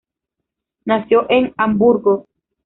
Nació en Hamburgo.